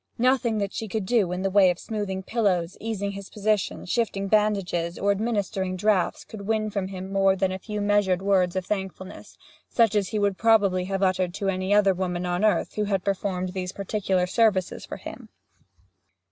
Nothing that she could do in the way of smoothing pillows, easing his position, shifting bandages, or administering draughts, could win from him more than a few measured words of thankfulness, such as he would probably have uttered to any other woman on earth who had performed these particular services for him.